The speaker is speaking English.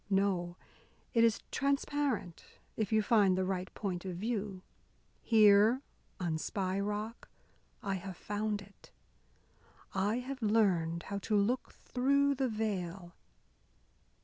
No, it is transparent, if you find the right point of view. Here, on Spy Rock, I have found it. I have learned how to look through the veil.